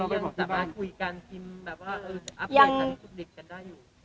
ทุกวันเราก็จะมาคุยกันที่แบบว่าอัลเฟย์ทั้งสุดเด็กกันได้อยู่